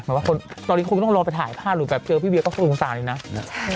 เหมือนว่าคนตอนนี้คงต้องรอไปถ่ายผ้าหรือแบบเจอพี่เวียก็สงสารเลยนะใช่